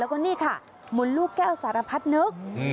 แล้วก็นี่ค่ะหมุนลูกแก้วสารพัดนึก